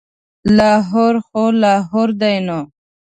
لاهور خو لاهور دی نو.